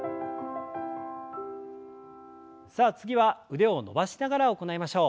さあ次は腕を伸ばしながら行いましょう。